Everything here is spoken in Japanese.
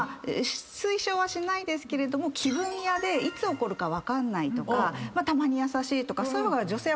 推奨はしないですけれども気分屋でいつ怒るか分かんないとかたまに優しいとかそういう方が女性は波風があって。